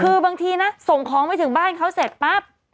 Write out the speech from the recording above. คือบางทีนะส่งของไปถึงบ้านเขาเสร็จปั๊บ